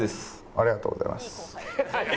ありがとうございます。